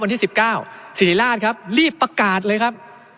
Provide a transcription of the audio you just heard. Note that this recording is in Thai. วันที่๑๙สิริราชครับรีบประกาศเลยครับ